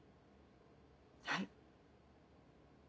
はい。